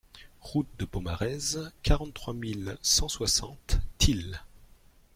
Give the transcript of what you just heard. Route de Pomarez, quarante mille trois cent soixante Tilh